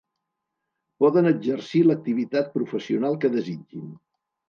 Poden exercir l'activitat professional que desitgin.